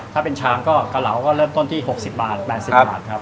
ถ้าเป็นชามก็เกาเหลาก็เริ่มต้นที่๖๐บาท๘๐บาทครับ